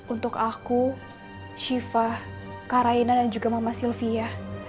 untuk aku syifah kak raina dan juga mama sylvia